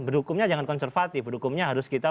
berhukumnya jangan konservatif hukumnya harus kita